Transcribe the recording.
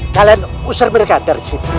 kalian user mereka dari situ